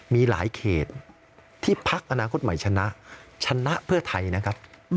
มีหลายเขตที่พักอนาคตใหม่ชนะชนะเพื่อไทยนะครับ